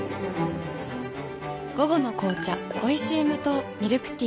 午後の紅茶おいしい無糖ミルクティー